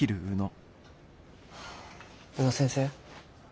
宇野先生？